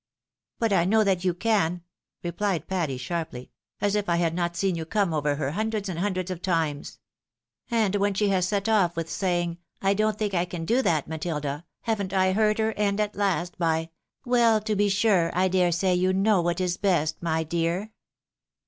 " But I know that you can," replied Patty, sharply ; "as if I had not seen you come over her hundreds and hundreds of times ! And when she has set off with saying, ' I don't think I emi do that, Matilda,' haven't I heard her end at last by, ' Well, to be sure, I dare say you know what is best, my dear